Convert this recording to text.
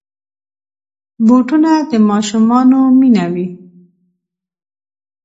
بوټونه د ماشومانو مینه وي.